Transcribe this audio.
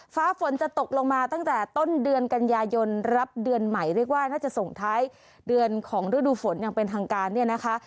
ฟ้าฝนจะตกลงมาตั้งแต่ต้นเดือนกันยายนรับเดือนใหม่เรียกว่าน่าจะส่งท้ายเดือนของฤดูฝนอย่างเป็นทางการเนี่ยนะคะ